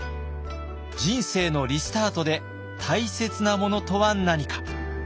人生のリスタートで大切なものとは何か。